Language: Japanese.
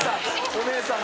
お姉さん。